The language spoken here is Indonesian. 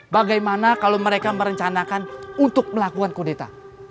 bagaimana kalau mereka merencanakan untuk melakukan kudeta